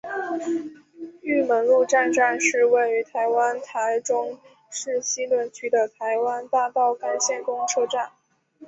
玉门路站站是位于台湾台中市西屯区的台湾大道干线公车站。